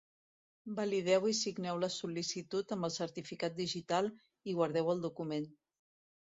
Valideu i signeu la sol·licitud amb el certificat digital i guardeu el document.